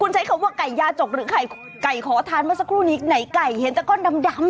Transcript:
คุณใช้คำว่าไก่ยาจกหรือไก่ก๋อทานมาสักรุ่นนี้ไก่เห็นแต่ก็ดำ